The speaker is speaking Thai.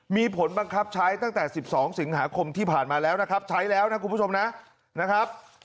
มีผลบังคับใช้ตั้งแต่๑๒สิงหาคมที่ผ่านมาแล้วนะครับใช้แล้วนะคุณผู้ชมนะนะครับ